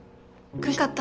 苦しかった？